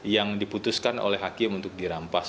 yang diputuskan oleh hakim untuk dirampas